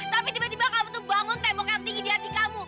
tapi tiba tiba kamu tuh bangun tembok yang tinggi di hati kamu